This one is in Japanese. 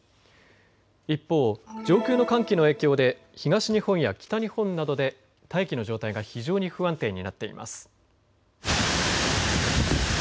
一方、上空の寒気の影響で東日本や北日本などで大気の状態が非常に不安定になっています。